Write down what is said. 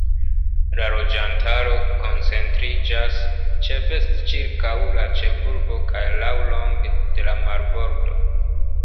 La loĝantaro koncentriĝas ĉefe ĉirkaŭ la ĉefurbo kaj laŭlonge de la marbordo.